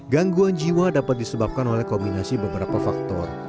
gangguan jiwa dapat disebabkan oleh kombinasi beberapa faktor